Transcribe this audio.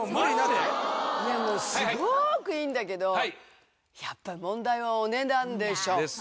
でもすごくいいんだけどやっぱり問題はお値段でしょ。